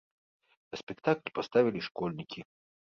А спектакль паставілі школьнікі.